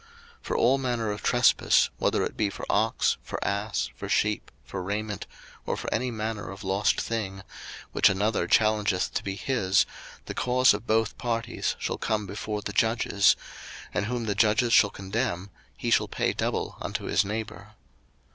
02:022:009 For all manner of trespass, whether it be for ox, for ass, for sheep, for raiment, or for any manner of lost thing which another challengeth to be his, the cause of both parties shall come before the judges; and whom the judges shall condemn, he shall pay double unto his neighbour.